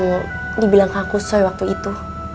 seperti yang dibilang kak kusoy waktu itu